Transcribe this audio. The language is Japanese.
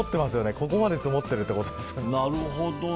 ここまで積もってるということですよ。